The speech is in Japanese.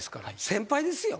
先輩ですよ？